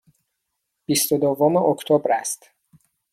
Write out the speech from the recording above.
بیست و دوم اکتبر است.